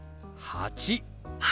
８。